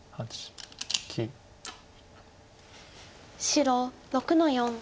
白６の四。